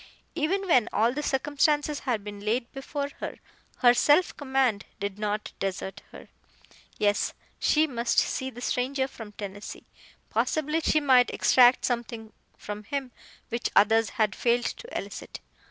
Even when all the circumstances had been laid before her, her self command did not desert her. Yes, she must see the stranger from Tennessee. Possibly she might extract something from him which others had failed to elicit.